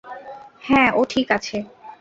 হ্যাঁ, ও ঠিক আছে!